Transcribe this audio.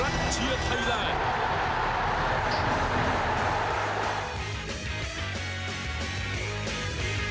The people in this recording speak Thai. ไทยรัฐเชื่อไทยแลนด์